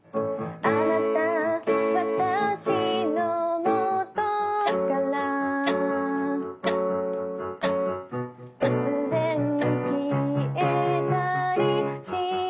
あなた、わたしのもとからとつぜんきえたりしないでね